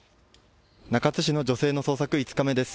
中津市の女性の捜索、５日目です。